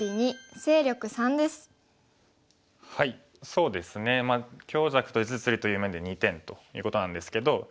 そうですねまあ強弱と実利という面で２点ということなんですけど。